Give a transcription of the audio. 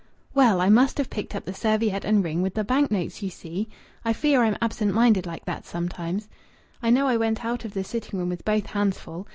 "Well, I must have picked up the serviette and ring with the bank notes, you see. I fear I'm absent minded like that sometimes. I know I went out of the sitting room with both hands full.